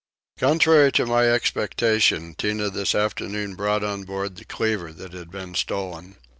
Contrary to my expectation Tinah this afternoon brought on board the cleaver that had been stolen.